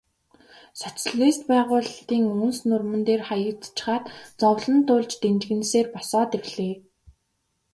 Социалист байгуулалтын үнс нурман дээр хаягдчихаад зовлон туулж дэнжгэнэсээр босоод ирлээ.